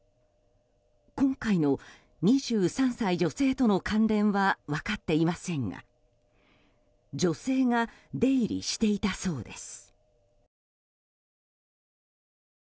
今回の２３歳女性との関連は分かっていませんが女性が出入りしていたそうです。